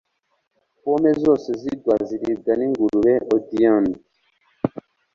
pome zose zigwa ziribwa ningurube odiernod